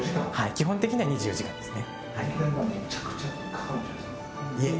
基本的には２４時間ですねいえ